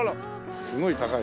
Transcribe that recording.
すごい高い。